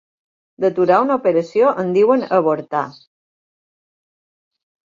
D'aturar una operació en diuen avortar.